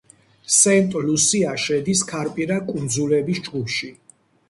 სენტ-ლუსია შედის ქარპირა კუნძულების ჯგუფში.